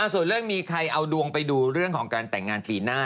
ส่วนเรื่องมีใครเอาดวงไปดูเรื่องของการแต่งงานปีหน้า